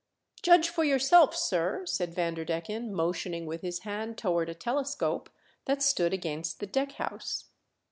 " Judge for yourself, sir," said Vander decken, motioning with his hand toward a telescope that stood against the deck house.